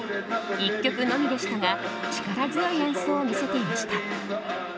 １曲のみでしたが力強い演奏を見せていました。